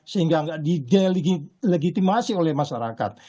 sehingga enggak dilegitimasi oleh masyarakat